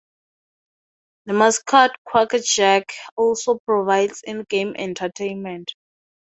The mascot, QuackerJack, also provides in-game entertainment.